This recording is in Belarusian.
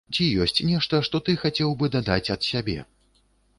Ці ёсць нешта, што ты хацеў бы дадаць ад сябе?